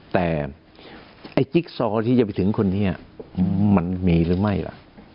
แต่ไอ้จิ๊กซอที่จะไปถึงคนนี้มันมีหรือไม่ล่ะ